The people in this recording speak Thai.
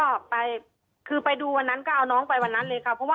ตอนที่จะไปอยู่โรงเรียนนี้แปลว่าเรียนจบมไหนคะ